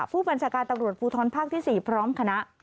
ผู้บัญชาการตำรวจภูทรภาคที่๔พร้อมคณะ